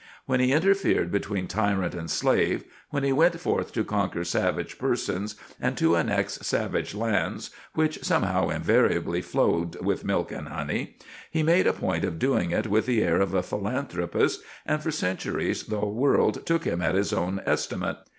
When he interfered between tyrant and slave, when he went forth to conquer savage persons and to annex savage lands which somehow invariably flowed with milk and honey, he made a point of doing it with the air of a philanthropist, and for centuries the world took him at his own estimate.